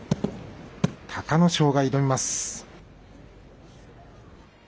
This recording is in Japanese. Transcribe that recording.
隆の勝が挑みます。